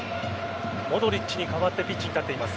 モドリッチに代わってピッチに立っています。